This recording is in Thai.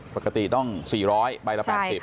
ปกติต้อง๔๐๐ใบละ๘๐